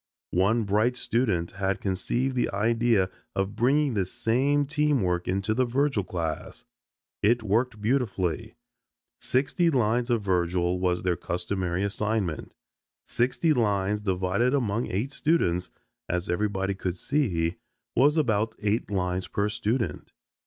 One bright student had conceived the idea of bringing this same team work into the Virgil class. It worked beautifully. Sixty lines of Virgil was their customary assignment. Sixty lines divided among eight students, as everybody could see, was about eight lines per student.